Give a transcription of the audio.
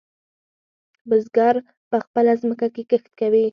بزگر په خپله ځمکه کې کښت کوي.